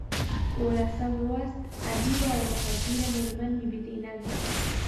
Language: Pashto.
اوولسم لوست ادیبه او باتدبیره میرمن بي بي زینب ده.